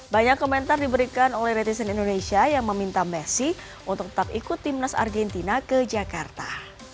banyak komentar diberikan oleh netizen indonesia yang meminta messi untuk tetap ikut timnas argentina ke jakarta